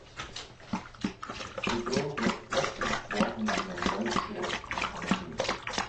The girls look sexy walking in their white shorts and high heels.